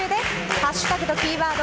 ハッシュタグとキーワード